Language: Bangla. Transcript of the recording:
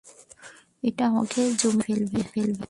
এটা আমাকে জমিয়ে মেরে ফেলবে।